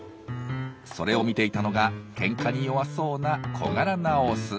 それを見ていたのがけんかに弱そうな小柄なオス。